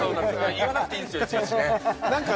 言わなくていいんですよ